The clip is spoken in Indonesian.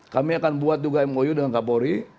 kami akan buat juga mou dengan kapolri